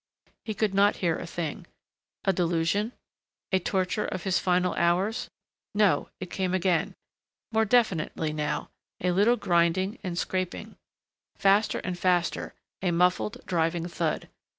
He could not hear a thing. A delusion? A torture of his final hours?... No, it came again. More definitely now, a little grinding and scraping. Faster and faster, a muffled, driving thud.